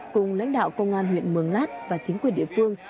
cùng lãnh đạo công an huyện mường lát và chính quyền địa phương